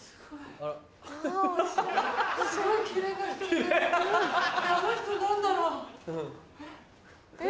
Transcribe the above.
あの人何だろう？え！